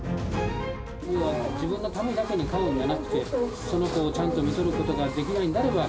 要は自分のためだけに飼うんじゃなくて、その子をちゃんとみとることができないんであれば、